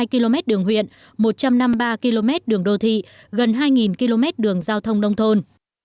ba trăm ba mươi hai km đường huyện một trăm năm mươi ba km đường đô thị gần hai km đường giao thông đông thôn